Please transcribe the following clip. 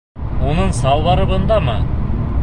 Уның салбары бындамы?